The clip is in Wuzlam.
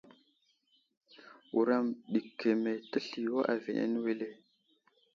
Wuram ɗi keme təsliyo aviyene wele.